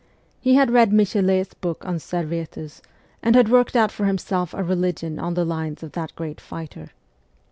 He had read Michelet's book on Servetus, and had worked out for himself a religion on the lines of that great fighter.